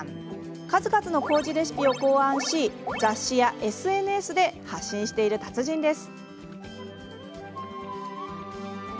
数々のこうじレシピを考案し雑誌やＳＮＳで発信している達人です。